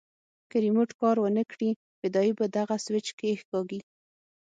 که ريموټ کار ونه کړي فدايي به دغه سوېچ کښېکاږي.